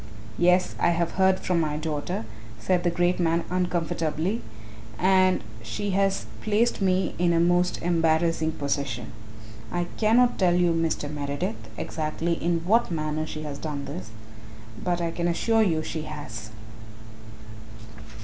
"Yes, I have heard from my daughter," said that great man uncomfortably, "and really she has placed me in a most embarrassing position. I cannot tell you, Mr. Meredith, exactly in what manner she has done this, but I can assure you she has."